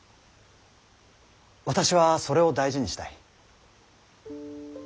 私はそれを大事にしたい。